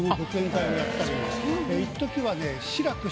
いっときはね。